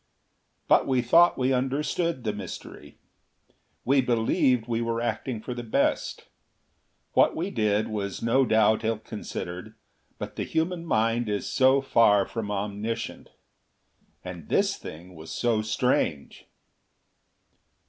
But we thought we understood the mystery. We believed we were acting for the best. What we did was no doubt ill considered; but the human mind is so far from omniscient! And this thing was so strange!